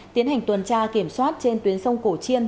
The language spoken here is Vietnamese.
tiến hành tuần tra kiểm soát trên tuyến sông cổ chiên